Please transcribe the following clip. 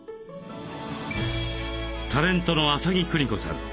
タレントの麻木久仁子さん。